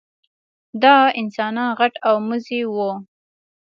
دا انسانان غټ او مزي وو.